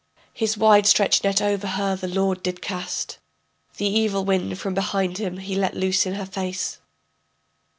His wide stretched net over her the lord did cast, The evil wind from behind him he let loose in her face.